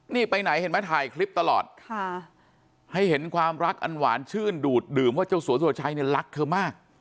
นี่ไปไหนเห็นไหมถ่ายคลิปตลอดให้เห็นความรักอันหวานชื่นดูดดื่มว่าเจ้าสัวสุรชัยเนี่ยรักเธอมาก